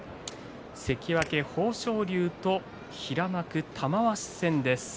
関脇豊昇龍と平幕玉鷲戦です。